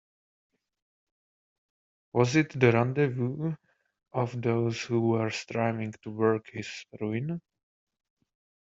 Was it the rendezvous of those who were striving to work his ruin.